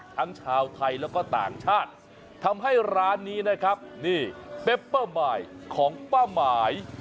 ทั้งชาวไทยแล้วก็ต่างชาติทำให้ร้านนี้นะครับนี่เปเปอร์มายของป้าหมาย